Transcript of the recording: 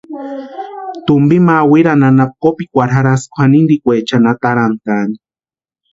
Tumpi ma Ahuirani anapu kopikwarhu jarhasti kwʼanintikwechani atarantʼaani.